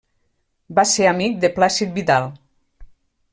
Va ser amic de Plàcid Vidal.